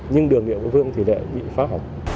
nhưng đường nghịa vương thì lại bị phá hỏng